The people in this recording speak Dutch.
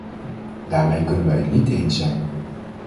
Daarmee kunnen wij het niet eens zijn.